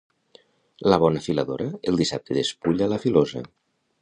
La bona filadora el dissabte despulla la filosa.